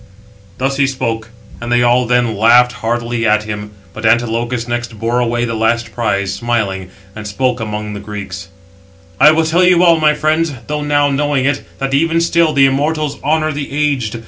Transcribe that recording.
Thus he spoke; and they all then laughed heartily at him. But Antilochus next bore away the last prize, smiling, and spoke among the Greeks: "I will tell you all, my friends, though now knowing it, that even still the immortals honour the aged.